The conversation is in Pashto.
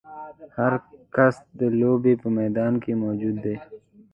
هر کس د لوبې په میدان کې موجود دی.